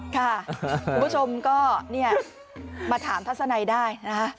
คุณผู้ชมก็มาถามทัศนัยได้นะคะ